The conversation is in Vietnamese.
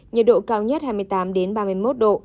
nhiệt độ cao nhất hai mươi tám ba mươi một độ